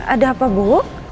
ada apa bu